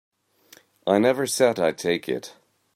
I never said I'd take it.